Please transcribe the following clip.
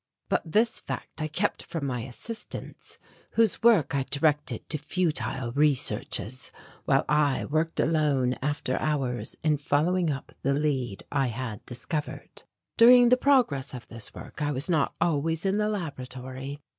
But this fact I kept from my assistants whose work I directed to futile researches while I worked alone after hours in following up the lead I had discovered. During the progress of this work I was not always in the laboratory.